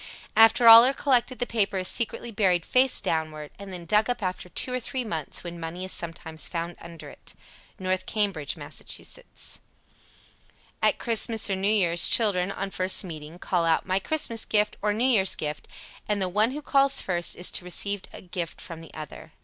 After all are collected the paper is secretly buried face downward, and then dug up after two or three months, when money is sometimes found under it. North Cambridge, Mass. 78. At Christmas or New Year's children, on first meeting, call out "My Christmas gift," or "New Year's gift," and the one who calls first is to receive a gift from the other.